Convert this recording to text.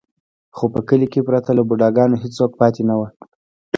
خو په کلي کې پرته له بوډا ګانو هېڅوک پاتې نه و.